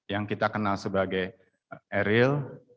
yang kita kenal sebagai eril